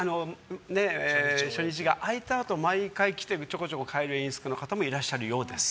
初日が開いたあと毎回来てちょこちょこ変える演出家さんもいらっしゃるようです。